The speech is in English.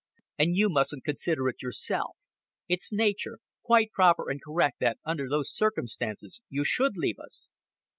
And you mustn't consider it yourself. It's nature quite proper and correct that under those circumstances you should leave us."